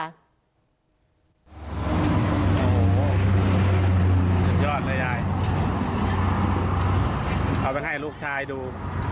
ยันยอดเลยยายเอาไปให้ลูกชายดู